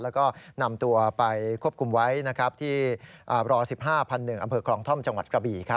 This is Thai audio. แล้วก็นำตัวไปควบคุมไว้ที่ร๑๕๑อำเภอคลองท่อมจังหวัดกระบี่